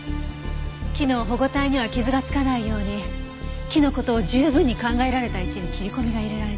木の保護帯には傷がつかないように木の事を十分に考えられた位置に切り込みが入れられていた。